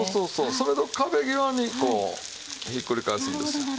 それと壁際にこうひっくり返すんですよ。